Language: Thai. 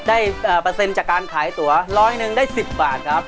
ได้เปอร์เซ็นต์จากการขายตั๋ว๑๐๐นึงได้๑๐บาทครับ